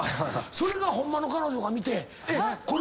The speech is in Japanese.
それがホンマの彼女が見て。